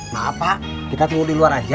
maaf pak kita tunggu di luar aja